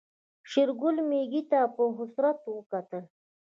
شېرګل ميږې ته په حسرت وکتل.